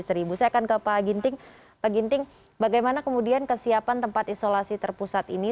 saya akan ke pak ginting pak ginting bagaimana kemudian kesiapan tempat isolasi terpusat ini